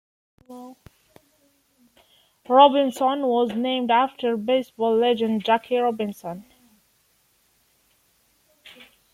Robinson was named after baseball legend Jackie Robinson.